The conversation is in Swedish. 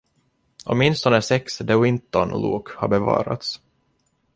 Åtminstone sex De Winton-lok har bevarats.